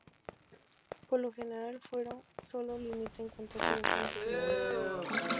Por lo general, el fuero sólo limita en cuanto a acusaciones penales.